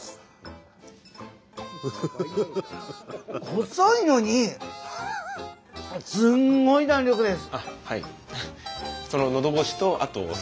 細いのにすんごい弾力です。